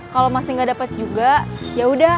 kalau masih nggak dapat juga ya udah